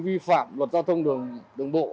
vi phạm luật giao thông đường bộ